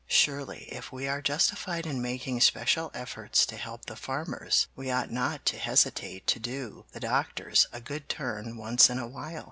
Surely if we are justified in making special efforts to help the farmers we ought not to hesitate to do the doctors a good turn once in a while."